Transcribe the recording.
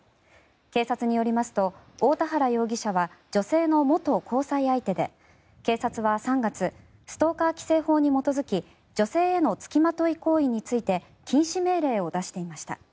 警察によりますと大田原容疑者は女性の元交際相手で警察は３月ストーカー規制法に基づき女性への付きまとい行為について禁止命令を出していました。